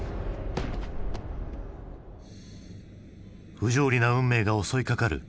不条理な運命が襲いかかる。